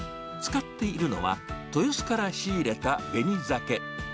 使っているのは、豊洲から仕入れた紅ザケ。